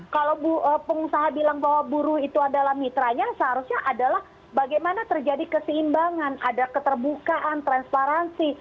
kalau pengusaha bilang bahwa buruh itu adalah mitranya seharusnya adalah bagaimana terjadi keseimbangan ada keterbukaan transparansi